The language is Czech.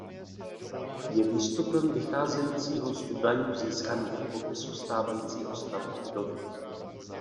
Je výstupem vycházejícího z údajů získaných v popisu stávajícího stavu budovy.